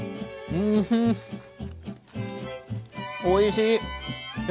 おいしい。